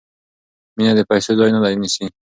مینه د پیسو ځای نه نیسي.